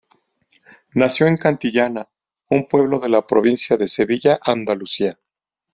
Nació en Cantillana, un pueblo de la provincia de Sevilla, Andalucía.